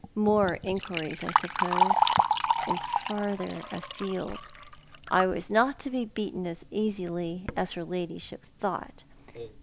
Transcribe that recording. More inquiries, I suppose, and further afield. I was not to be beaten as easily as her ladyship thought.